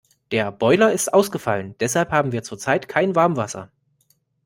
Der Boiler ist ausgefallen, deshalb haben wir zurzeit kein Warmwasser.